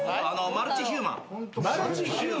マルチヒューマン。